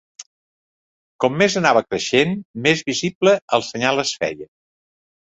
Com més anava creixent, més visible el senyal es feia.